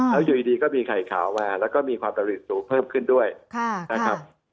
แล้วอยู่ดีก็มีไข่ขาวมาแล้วก็มีความประหิตสูงเพิ่มขึ้นด้วยนะครับ